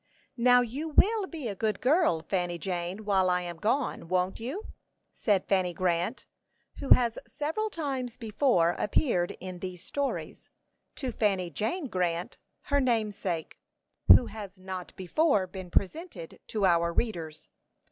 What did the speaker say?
"Now you will be a good girl, Fanny Jane, while I am gone won't you?" said Fanny Grant, who has several times before appeared in these stories, to Fanny Jane Grant, her namesake, who has not before been presented to our readers.